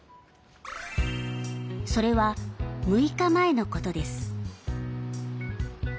それは、６日前のことです。